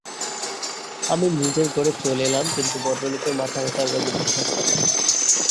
আমি নিজের ঘরে চলে এলাম, কিন্তু ভদ্রলোকের মাথাব্যথার গল্প বিশ্বাস করলাম না।